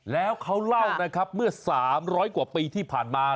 แล้วเขาเล่านะครับเมื่อ๓๐๐กว่าปีที่ผ่านมา